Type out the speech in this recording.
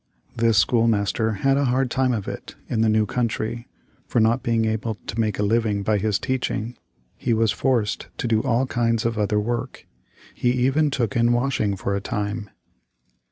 This school master had a hard time of it in the new country, for not being able to make a living by his teaching, he was forced to do all kinds of other work. He even took in washing for a time!